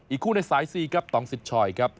อีกคู่ในสาย๔ครับตองซิดชอยครับ